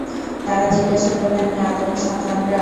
তারা জিজ্ঞাসা করলেন, হে আদমের সন্তানরা!